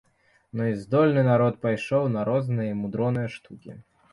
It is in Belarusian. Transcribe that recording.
Ну, і здольны народ пайшоў на розныя мудроныя штукі!